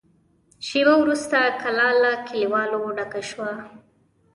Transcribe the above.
شېبه وروسته کلا له کليوالو ډکه شوه.